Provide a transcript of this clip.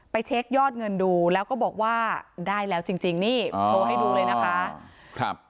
เช็คยอดเงินดูแล้วก็บอกว่าได้แล้วจริงนี่โชว์ให้ดูเลยนะคะ